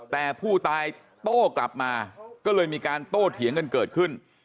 แต่ผู้ตายโต้กลับมาก็เลยมีการโต้เถียงกันเกิดขึ้น